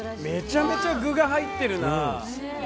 めちゃめちゃ具が入ってるな。